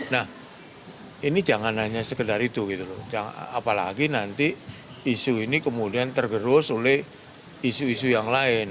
nah ini jangan hanya sekedar itu gitu loh apalagi nanti isu ini kemudian tergerus oleh isu isu yang lain